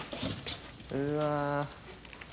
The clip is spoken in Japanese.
うわ。